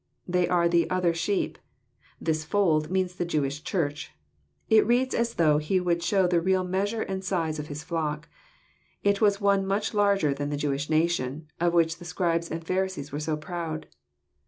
They are the "other sheep:" "this fold" means the Jewish Church. It reads as though He would show the real measure and size of His flock. It was one much larger than the Jewish nation, of which the Scribes and Pharisees were so proud.